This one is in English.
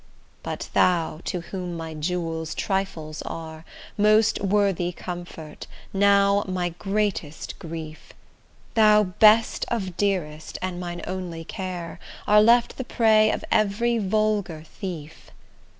But thou, to whom my jewels trifles are, Most worthy comfort, now my greatest grief, Thou best of dearest, and mine only care, Art left the prey of every vulgar thief.